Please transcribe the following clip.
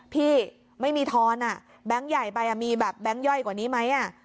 พี่ไม่มีทอนแบงค์ใหญ่ไปมีแบบแก๊งย่อยกว่านี้ไหม